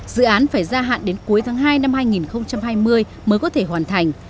dự án phải gia hạn đến cuối tháng hai năm hai nghìn hai mươi mới có thể hoàn thành